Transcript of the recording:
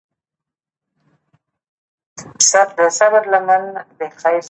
د پوهې وده د ټولنیزې هوساینې لامل کېږي.